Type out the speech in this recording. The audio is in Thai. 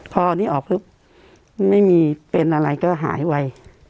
พอนี่ออกแล้วไม่มีเป็นอะไรก็หายไว้